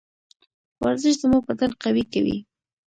ورزش زما بدن قوي کوي.